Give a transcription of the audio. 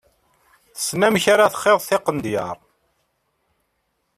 Tessen amek ara txiḍ tiqendyar.